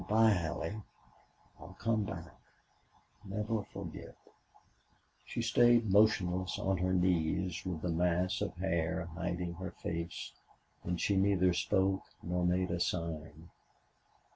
"Good by, Allie.... I'll come back. Never forget!" She stayed motionless on her knees with the mass of hair hiding her face, and she neither spoke nor made a sign.